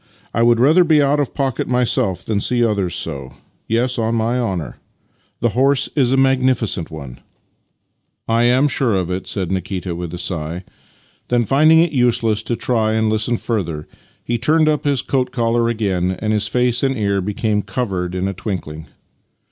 I would rather be out of pocket myself than see others so. Yes, on my honour. The horse is a magnificent one." 12 Master and Man " I am sure of it," said Nikita with a sigh. Then, finding it useless to try and hsten further, he turned up his coat collar again, and his face and ear became covered in a twinkling.